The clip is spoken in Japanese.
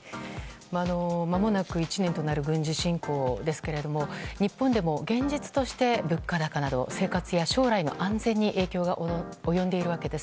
まもなく１年となる軍事侵攻ですが日本でも現実として、物価高など生活や将来の安全に影響が及んでいるわけです。